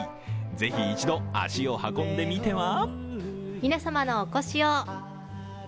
ぜひ、一度足を運んでみては？